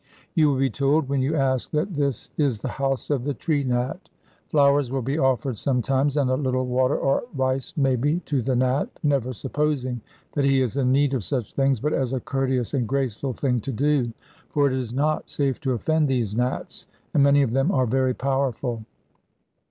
You will be told when you ask that this is the house of the Tree Nat. Flowers will be offered sometimes, and a little water or rice maybe, to the Nat, never supposing that he is in need of such things, but as a courteous and graceful thing to do; for it is not safe to offend these Nats, and many of them are very powerful.